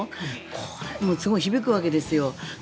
これはすごい響くわけですよ。